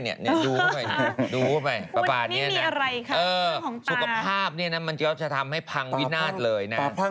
ปากปั๊อนี่สุขภาพจะทำให้พังวินาคตเลย